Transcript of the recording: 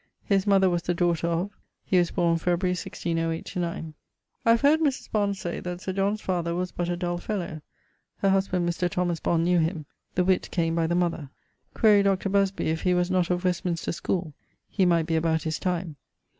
His mother was the daughter of.... He was borne . I have heard Mris Bond say, that Sir John's father was but a dull fellow (her husband, Mr. Thomas Bond, knew him): the witt came by the mother. Quaere Dr. Busby if he was not of Westminster schoole? he might be about his time.